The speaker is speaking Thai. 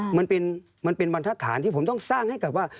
มันเป็นบรรทฐานที่ผมต้องสร้างให้กับว่า